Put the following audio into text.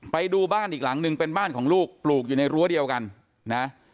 ไปดูบ้านอีกหลังนึงเป็นบ้านของลูกปลูกอยู่ในรั้วเดียวกันนะ